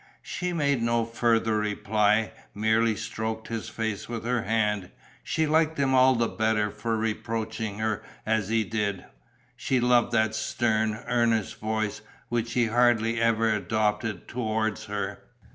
She made no further reply, merely stroked his face with her hand. She liked him all the better for reproaching her as he did; she loved that stern, earnest voice, which he hardly ever adopted towards her.